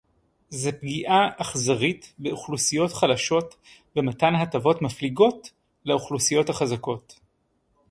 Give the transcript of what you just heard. זה פגיעה אכזרית באוכלוסיות חלשות ומתן הטבות מפליגות לאוכלוסיות החזקות